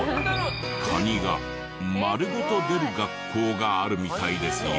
カニが丸ごと出る学校があるみたいですよ。